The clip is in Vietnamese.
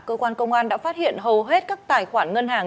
cơ quan công an đã phát hiện hầu hết các tài khoản ngân hàng